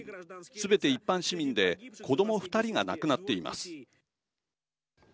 すべて一般市民で子ども２人が亡くなっています。